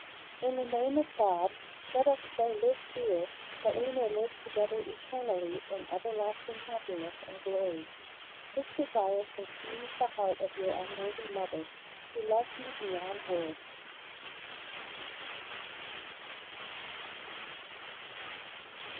In the name of God let us so live here that we may live together eternally in everlasting happiness and glory. This desire consumes the heart of your unworthy Mother, who loves you beyond words.